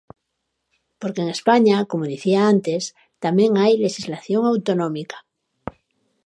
Porque en España, como dicía antes, tamén hai lexislación autonómica.